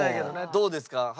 どうですか？